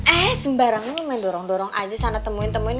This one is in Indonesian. eh sembarangan main dorong dorong aja sana temuin temuin